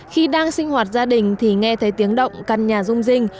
khi đang sinh hoạt gia đình thì nghe thấy tiếng động căn nhà rung rinh